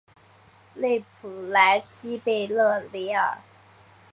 勒普莱西贝勒维尔。